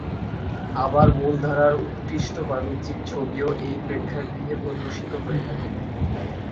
আবার মূলধারার উৎকৃষ্ট বাণিজ্যিক ছবিও এই প্রেক্ষাগৃহে প্রদর্শিত হয়ে থাকে।